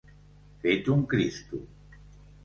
Fet un Cristo.